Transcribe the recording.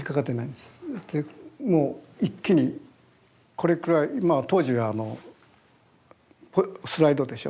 でもう一気にこれくらいまあ当時はあのスライドでしょ？